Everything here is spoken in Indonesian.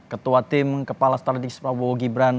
ketua tim kepala strategis prabowo gibran